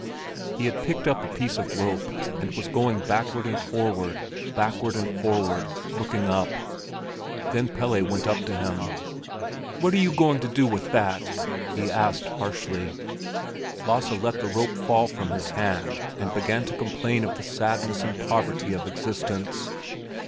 He had picked up a piece of rope, and was going backward and forward, backward and forward, looking up. Then Pelle went up to him. "What are you going to do with that?" he asked harshly. Lasse let the rope fall from his hand and began to complain of the sadness and poverty of existence.